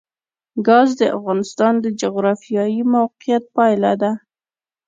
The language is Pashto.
ګاز د افغانستان د جغرافیایي موقیعت پایله ده.